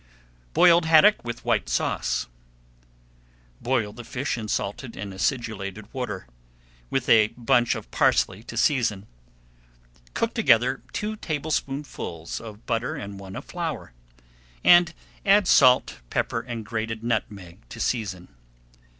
BOILED HADDOCK WITH WHITE SAUCE Boil the fish in salted and acidulated water, with a bunch of parsley to season. Cook together two tablespoonfuls of butter and one of flour, and add salt, pepper, and grated nutmeg to season.